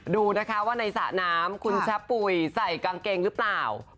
ดูนะคะว่าในสระน้ำคุณชะปุ๋ยใส่กางเกงหรือเปล่า